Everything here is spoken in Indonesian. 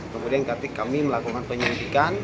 kemudian kami melakukan penyelidikan